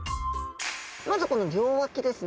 まずこの両脇ですね。